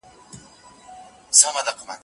که په سېلونو توتکۍ وتلي